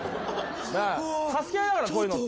助け合いだからこういうのって。